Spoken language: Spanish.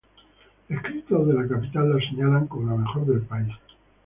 Escritos de la capital la señalan como la mejor del país.